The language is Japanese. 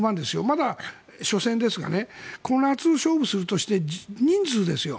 まだ緒戦ですがこの夏、勝負するとして人数ですよ。